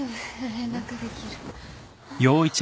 連絡できる。